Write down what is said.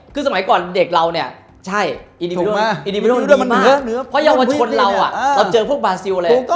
คือสมัยก่อนเด็กเราเนี่ยใช่